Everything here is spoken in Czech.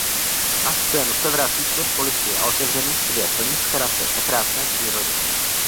Na scénu se vrací zpět policie a otevřený svět plný zkratek a krásné přírody.